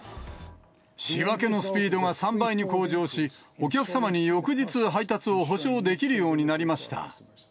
仕分けのスピードが３倍に向上し、お客様に翌日配達を保証できるようになりました。